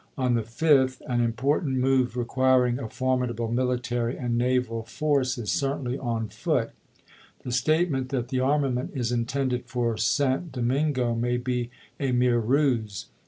On the 5th: "An ApriHisei. important move requiring a formidable military The Com and naval force is certainly on foot. The state toToombs, ment that the armament is intended for St. MS. ' Domingo may be a mere ruse."